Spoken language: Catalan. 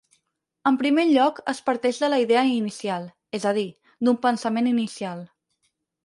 En primer lloc, es parteix de la idea inicial, és a dir, d’un pensament inicial.